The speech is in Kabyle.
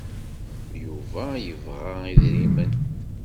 Yuba yebɣa idrimen.